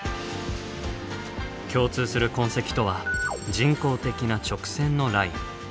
共通する痕跡とは人工的な直線のライン。